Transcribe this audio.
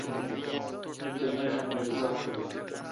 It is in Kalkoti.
می کنگیݭ انگیر زخم بیل۔